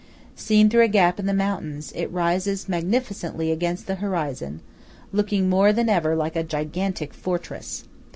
Seen through a gap in the mountains, it rises magnificently against the horizon, looking more than ever like a gigantic fortress.